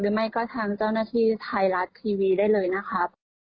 ไม่ก็ทางเจ้าหน้าที่ไทยรัฐทีวีได้เลยนะครับ